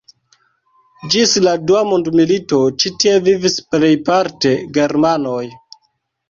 Ĝis la dua mondmilito ĉi tie vivis plejparte germanoj.